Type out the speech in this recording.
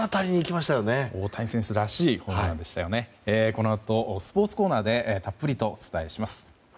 このあと、スポーツコーナーでたっぷりとお伝えします。